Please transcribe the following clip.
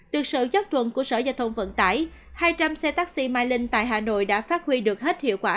từ sự chấp thuận của sở gia thông vận tải hai trăm linh xe taxi mylink tại hà nội đã phát huy được hết hiệu quả